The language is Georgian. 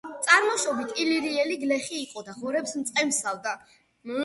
წარმოშობით ილირიელი გლეხი იყო და ღორებს მწყემსავდა.